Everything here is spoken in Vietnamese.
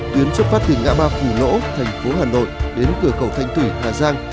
tuyến xuất phát từ ngã ba phủ lỗ thành phố hà nội đến cửa cầu thanh thủy hà giang